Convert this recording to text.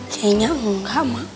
kayaknya enggak mah